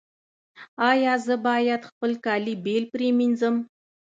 ایا زه باید خپل کالي بیل پریمنځم؟